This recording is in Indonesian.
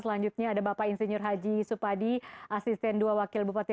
selanjutnya ada bapak insinyur haji supadi asisten dua wakil bupati